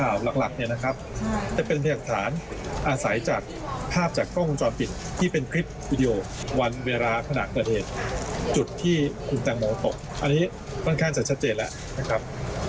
อันนี้ค่อนข้างจะชัดเจนแล้วนะครับ